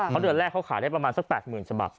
เพราะเดือนแรกเขาขายได้ประมาณสัก๘๐๐๐ฉบับ